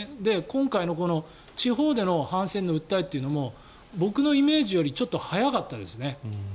今回の、この地方での反戦の訴えというのも僕のイメージよりちょっと早かったですね。